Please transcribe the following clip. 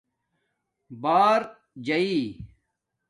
بݳر جݳیئ